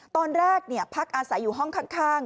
ตอนแรกพักอาศัยอยู่ห้องข้าง